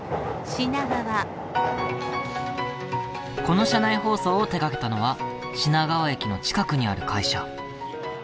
この車内放送を手がけたのは品川駅の近くにある会社。